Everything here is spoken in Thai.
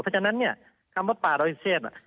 เพราะฉะนั้นเนี่ยคำว่าป่ารอยเชษ